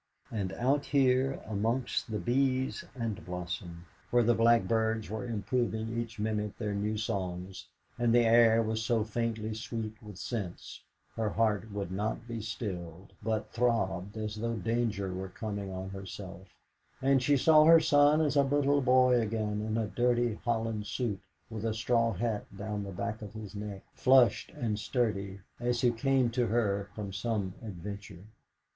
And out here amongst the bees and blossom, where the blackbirds were improving each minute their new songs, and the air was so fainting sweet with scents, her heart would not be stilled, but throbbed as though danger were coming on herself; and she saw her son as a little boy again in a dirty holland suit with a straw hat down the back of his neck, flushed and sturdy, as he came to her from some adventure.